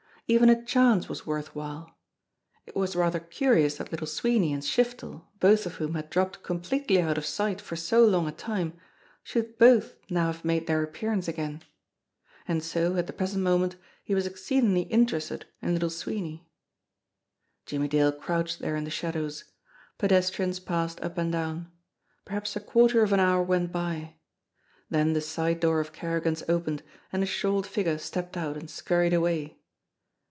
Even a chance was worth while. It was rather curious that Little Sweeney and Shiftel, both of whom had dropped completely out of sight for so long a time, should both now have made their appear ance again ! And so, at the present moment, he was ex ceedingly interested in Little Sweeney! Jimmie Dale crouched there in the shadows. Pedestrians passed up and down. Perhaps a quarter of an hour went by. Then the side door of Kerrigan's opened, and a shawled figure stepped out and scurried away.